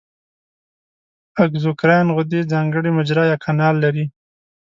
اګزوکراین غدې ځانګړې مجرا یا کانال لري.